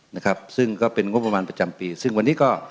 นะครับซึ่งก็เป็นงบประมาณประจำปีซึ่งวันนี้ก็